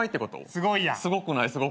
すごくないすごくない。